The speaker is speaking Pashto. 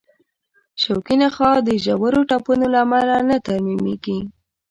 شوکي نخاع د ژورو ټپونو له امله نه ترمیمېږي.